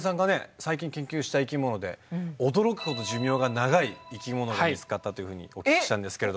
最近研究した生きもので驚くほど寿命が長い生きものが見つかったというふうにお聞きしたんですけれど。